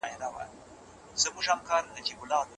موږ بايد خپل ارزښتونه وساتو.